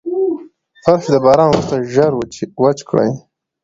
فرش د باران وروسته ژر وچ کړئ.